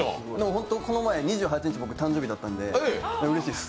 ほんとこの前２８日、誕生日だったんでうれしいです。